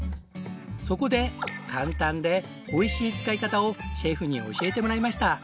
そこで簡単でおいしい使い方をシェフに教えてもらいました。